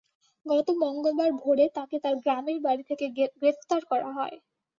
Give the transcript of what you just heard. গত মঙ্গলবার ভোরে তাঁকে তাঁর গ্রামের বাড়ি থেকে গ্রেপ্তার করা হয়।